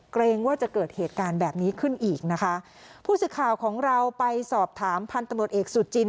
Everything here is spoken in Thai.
เกรงว่าจะเกิดเหตุการณ์แบบนี้ขึ้นอีกนะคะผู้สื่อข่าวของเราไปสอบถามพันธุ์ตำรวจเอกสุจิน